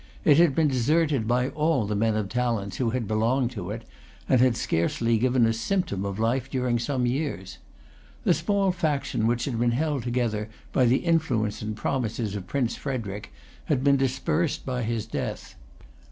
It had been deserted by all the men of talents who had belonged to it, and had scarcely given a symptom of life during some years. The small faction which had been held together by the influence and promises of Prince Frederic, had been dispersed by his death.